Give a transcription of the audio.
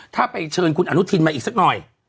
ถ้าไปเชิญคุณอนุทินมาอีกสักหน่อย